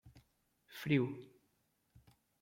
Frio